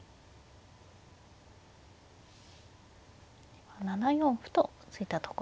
今７四歩と突いたところですね。